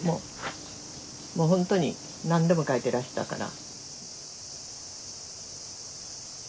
もう本当に何でも描いてらしたから。